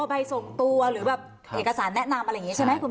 ใบส่งตัวหรือแบบเอกสารแนะนำอะไรอย่างนี้ใช่ไหม